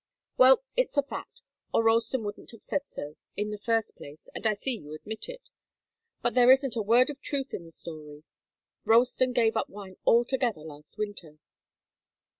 "Well it's a fact, or Ralston wouldn't have said so, in the first place, and I see you admit it. But there isn't a word of truth in the story. Ralston gave up wine altogether last winter."